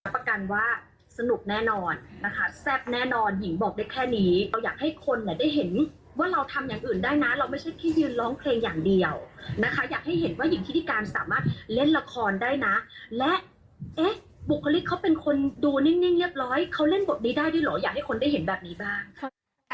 ประกันว่าสนุกแน่นอนนะคะแซ่บแน่นอนหญิงบอกได้แค่นี้เราอยากให้คนเนี่ยได้เห็นว่าเราทำอย่างอื่นได้นะเราไม่ใช่แค่ยืนร้องเพลงอย่างเดียวนะคะอยากให้เห็นว่าหญิงพิธีการสามารถเล่นละครได้นะและเอ๊ะบุคลิกเขาเป็นคนดูนิ่งเรียบร้อยเขาเล่นบทนี้ได้ด้วยเหรออยากให้คนได้เห็นแบบนี้บ้างค่ะ